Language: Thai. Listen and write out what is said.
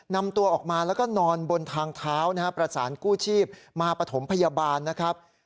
นำตัวออกมาแล้วก็นอนบนทางเท้านะครับประสานกู้ชีพมาปฐมพยาบาลนะครับ